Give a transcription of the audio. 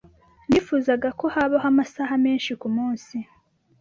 Nifuzaga ko habaho amasaha menshi kumunsi.